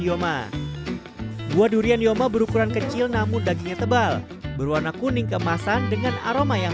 youma berkuran kecil namun dagingnya tebal berwarna kuning keemasan dengan aroma yang